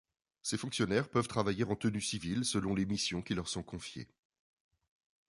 Ces fonctionnaires peuvent travailler en tenue civile selon les missions qui leur sont confiés.